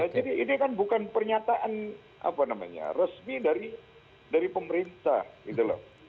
jadi ini kan bukan pernyataan resmi dari pemerintah